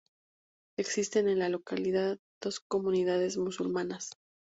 Existen en la localidad dos comunidades musulmanas.